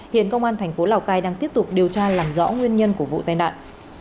hiện công an tp lào cai đang tiếp tục điều tra làm rõ nguyên nhân của vụ tai nạn